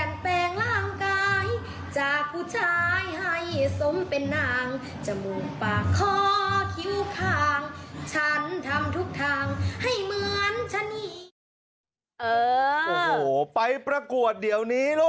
แต่งแรกน่องร้องเพลงใช่มั้ย